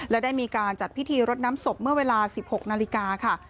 และได้มีการจัดพิธีรดน้ำศพเมื่อเวลา๑๖นาฬิกาค่ะ